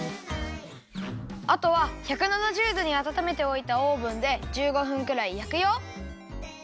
あとは１７０どにあたためておいたオーブンで１５分くらいやくよ。